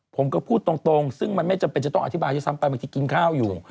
ผมก็พูดตรงซึ่งมันไม่จำเป็นจะต้องอธิบายด้วยซ้ำไปบางทีกินข้าวอยู่